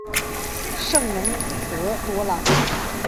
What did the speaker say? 圣龙德多朗。